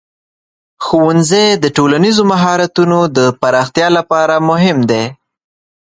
ښوونځی د ټولنیز مهارتونو د پراختیا لپاره مهم دی.